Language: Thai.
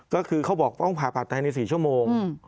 ก็คือเขาบอกต้องผ่าภัยในสี่ชั่วโมง